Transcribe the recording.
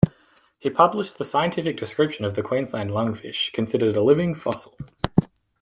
He published the scientific description of the Queensland Lungfish, considered a "living fossil".